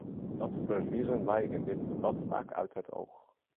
Dat verliezen wij in dit debat vaak uit het oog.